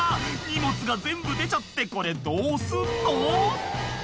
荷物が全部出ちゃってこれどうすんの？